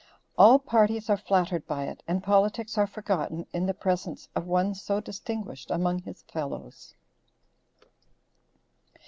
All parties are flattered by it and politics are forgotten in the presence of one so distinguished among his fellows.